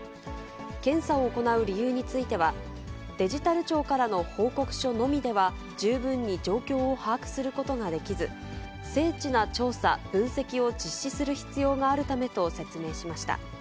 検査を行う理由については、デジタル庁からの報告書のみでは、十分に状況を把握することができず、精緻な調査・分析を実施する必要があるためと説明しました。